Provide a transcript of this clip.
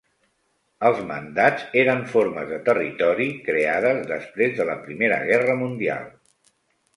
Els mandats eren formes de territori creades després de la Primera Guerra Mundial.